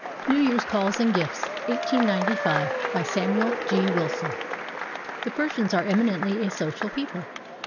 NEW YEAR'S CALLS AND GIFTS BY SAMUEL G. WILSON The Persians are eminently a social people.